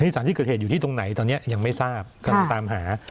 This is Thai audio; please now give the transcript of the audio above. สถานที่เกิดเหตุอยู่ที่ตรงไหนตอนนี้ยังไม่ทราบกำลังตามหา